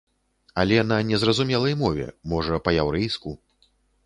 Але на незразумелай мове, можа, па-яўрэйску.